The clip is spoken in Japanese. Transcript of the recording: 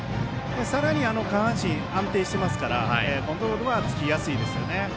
さらに下半身が安定していますからコントロールはつきやすいですね。